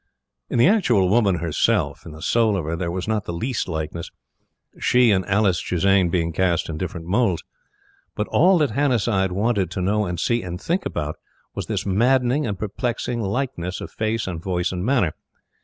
In the actual woman herself in the soul of her there was not the least likeness; she and Alice Chisane being cast in different moulds. But all that Hannasyde wanted to know and see and think about, was this maddening and perplexing likeness of face and voice and manner.